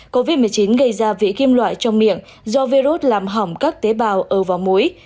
covid một mươi chín gây ra vị kim loại trong miệng do virus làm hỏng các tế bào ở muối